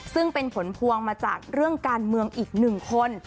ซึ่งเป็นผลพวงมาจากเรื่องการเมืองอีกหนึ่งคน